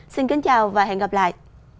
xin kính chào và hẹn gặp lại